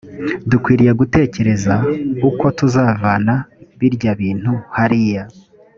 dukwiye gutekereza uko tuzavana birya bintu hariya